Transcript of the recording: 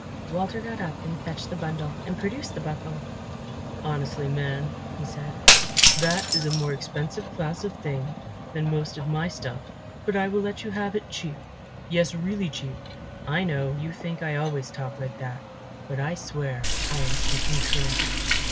Walter got up and fetched the bundle and produced the buckle. "Honestly, man," he said, "that is a more expensive class of thing than most of my stuff; but I will let you have it cheap. Yes, really cheap; I know you think I always talk like that, but I swear I am speaking true."